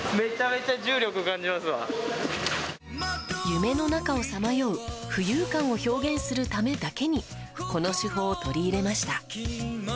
夢の中をさまよう浮遊感を表現するためだけにこの手法を取り入れました。